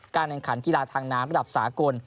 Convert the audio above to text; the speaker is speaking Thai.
แข่งขันกีฬาทางน้ำระดับสากล